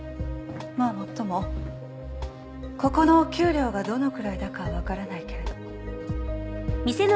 まあもっともここのお給料がどのくらいだかわからないけれど。